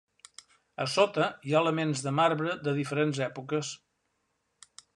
A sota hi ha elements de marbre de diferents èpoques.